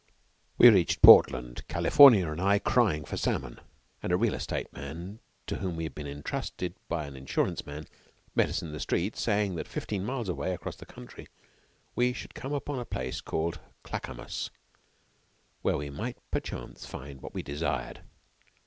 We reached Portland, California and I crying for salmon, and a real estate man, to whom we had been intrusted by an insurance man, met us in the street, saying that fifteen miles away, across country, we should come upon a place called Clackamas, where we might perchance find what we desired.